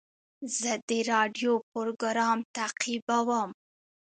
زه د راډیو پروګرام تعقیبوم.